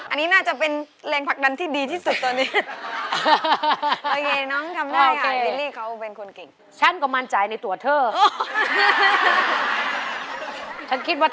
อันนี้น่าจะเป็นแรงผลักดันที่ดีที่สุดตอนนี้